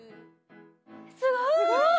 すごい！